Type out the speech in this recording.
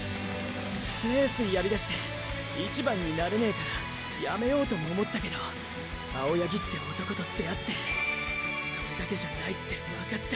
レースやりだして１番になれねえからやめようとも思ったけど青八木って男と出会ってそれだけじゃないって分かった。